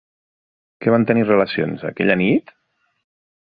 Que van tenir relacions, aquella nit?